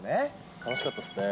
楽しかったですね。